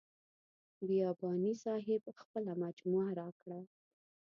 بیاباني صاحب خپله مجموعه راکړه.